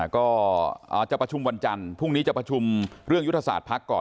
ก็จะประชุมวันจันทร์พรุ่งนี้จะประชุมเรื่องยุทธศาสตร์พักก่อน